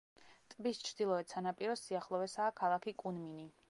ტბის ჩრდილოეთ სანაპიროს სიახლოვესაა ქალაქი კუნმინი.